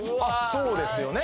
そうですよね